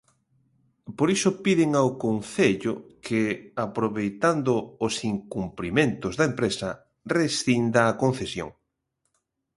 Por iso piden ao Concello que, aproveitando os "incumprimentos" da empresa, rescinda a concesión.